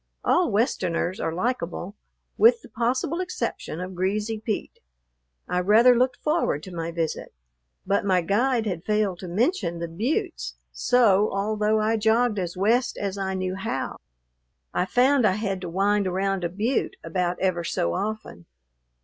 All Westerners are likable, with the possible exception of Greasy Pete. I rather looked forward to my visit. But my guide had failed to mention the buttes; so, although I jogged as west as I knew how, I found I had to wind around a butte about ever so often.